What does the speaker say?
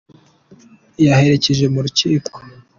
yaherekeje mu rukiko